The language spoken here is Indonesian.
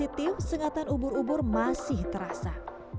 di tim sengatan ubur ubur masih terasa